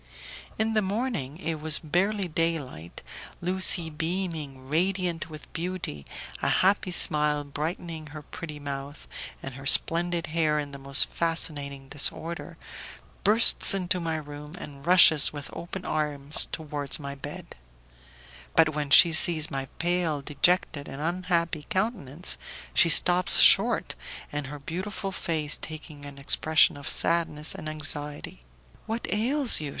In the morning, it was barely day light, Lucie beaming, radiant with beauty, a happy smile brightening her pretty mouth, and her splendid hair in the most fascinating disorder, bursts into my room, and rushes with open arms towards my bed; but when she sees my pale, dejected, and unhappy countenance, she stops short, and her beautiful face taking an expression of sadness and anxiety: "What ails you?"